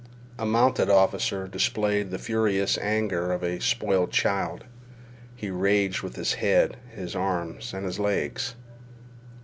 A mounted officer displayed the furious anger of a spoiled child. He raged with his head, his arms, and his legs.